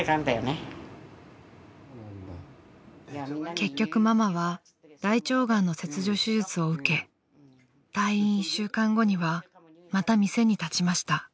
［結局ママは大腸がんの切除手術を受け退院１週間後にはまた店に立ちました］